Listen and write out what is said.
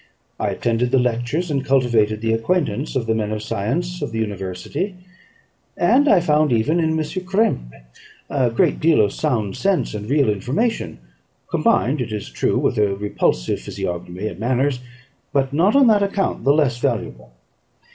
I attended the lectures, and cultivated the acquaintance, of the men of science of the university; and I found even in M. Krempe a great deal of sound sense and real information, combined, it is true, with a repulsive physiognomy and manners, but not on that account the less valuable.